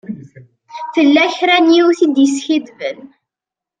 Tella kra n yiwet i d-yeskadben.